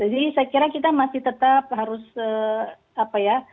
jadi saya kira kita masih tetap harus apa ya